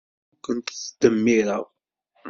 Ur kent-ttdemmireɣ.